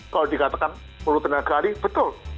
kalau dikatakan sepuluh tenaga kali betul